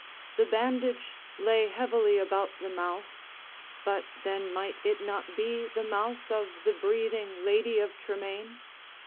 The bandage lay heavily about the mouth—but then might it not be the mouth of the breathing Lady of Tremaine?